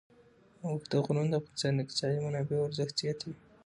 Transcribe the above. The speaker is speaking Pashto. اوږده غرونه د افغانستان د اقتصادي منابعو ارزښت زیاتوي.